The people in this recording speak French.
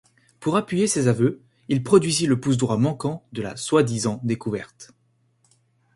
Pour appuyer ses aveux il produisit le pouce droit manquant de la soi-disant découverte.